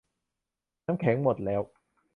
น้ำแข็งหมดแล้ว